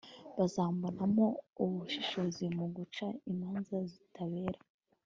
bazambonamo ubushishozi mu guca imanza zitabera